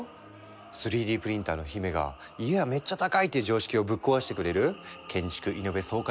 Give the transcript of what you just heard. ３Ｄプリンターの姫が家はめっちゃ高いっていう常識をぶっ壊してくれる建築イノベ爽快